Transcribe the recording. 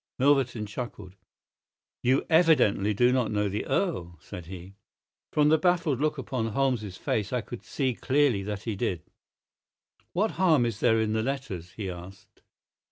Milverton chuckled. "You evidently do not know the Earl," said he. From the baffled look upon Holmes's face I could see clearly that he did. "What harm is there in the letters?" he asked.